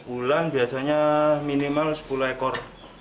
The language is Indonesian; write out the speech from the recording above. bulan biasanya minimal sepuluh ekor